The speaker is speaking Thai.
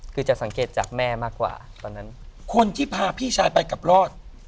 คือจะสังเกตจากแม่มากกว่าตอนนั้นคนที่พาพี่ชายไปกับรอด